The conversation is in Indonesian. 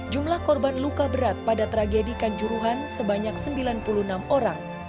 jumlah korban luka berat pada tragedi kanjuruhan sebanyak sembilan puluh enam orang